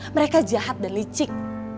mereka jahat dan licik